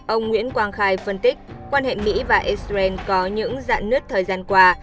ông nguyễn quang khai phân tích quan hệ mỹ và israel có những dạ nứt thời gian qua